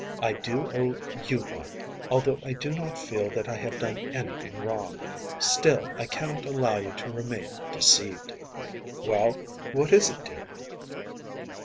I do owe you one, although I do not feel that I have done anything wrong. Still, I cannot allow you to remain deceived.‚ÄĚ “Well, what is it, dear?